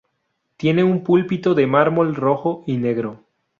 Tiene un púlpito de mármol rojo y negro.